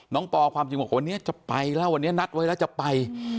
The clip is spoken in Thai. ปอความจริงบอกวันนี้จะไปแล้ววันนี้นัดไว้แล้วจะไป